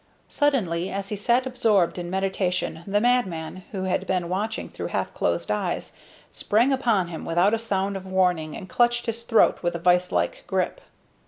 Suddenly, as he sat absorbed in meditation, the madman, who had been watching through half closed eyes, sprang upon him without a sound of warning and clutched his throat with a vise like grip.